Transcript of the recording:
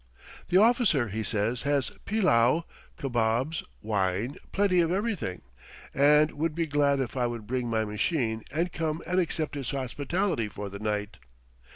The officer, he says, has pillau, kabobs, wine, plenty of everything, and would be glad if I would bring my machine and come and accept his hospitality for the night.